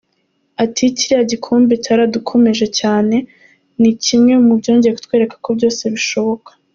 Ati “Kiriya gikombe cyaradukomeje cyane, ni kimwe mu byongeye kutwereka ko byose bishoboka.